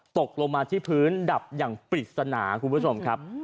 ตกลงมาที่พื้นดับอย่างปริศนาครับคุณผู้ชม